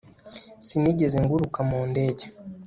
sinigeze nguruka mu ndege